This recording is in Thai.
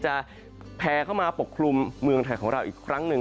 แพรเข้ามาปกคลุมเมืองไทยของเราอีกครั้งหนึ่ง